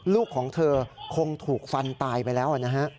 ลูกของเธอคงถูกฟันตายไปแล้วนะฮะ